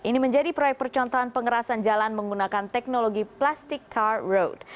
ini menjadi proyek percontohan pengerasan jalan menggunakan teknologi plastik tart road